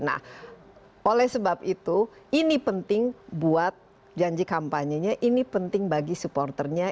nah oleh sebab itu ini penting buat janji kampanyenya ini penting bagi supporternya